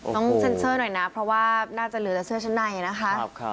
ต้องเซ็นเซอร์หน่อยนะเพราะว่าน่าจะเหลือแต่เสื้อชั้นในนะคะ